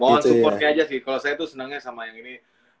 mohon supportnya aja sih kalau saya tuh senangnya sama yang ini